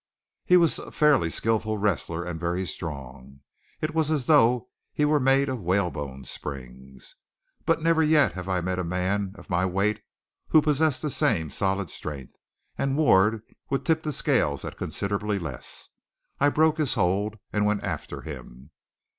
He was a fairly skilful wrestler, and very strong. It was as though he were made of whalebone springs. But never yet have I met a man of my weight who possessed the same solid strength; and Ward would tip the scales at considerably less. I broke his hold, and went after him.